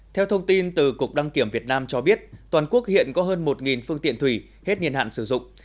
theo thông tin từ cục đăng kiểm việt nam cho biết toàn quốc hiện có hơn một phương tiện thủy hết nhiên hạn sử dụng